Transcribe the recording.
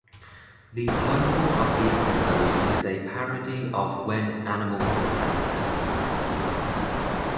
The title of the episode is a parody of When Animals Attack!